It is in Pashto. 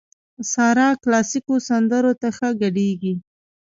سارا کلاسيکو سندرو ته ښه ګډېږي.